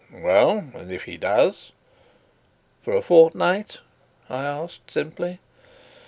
"Well, and if he does?" "For a fortnight?" I asked simply.